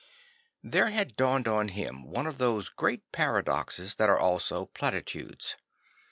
There had dawned on him one of those great paradoxes that are also platitudes.